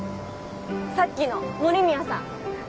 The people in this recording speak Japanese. さっきの森宮さん。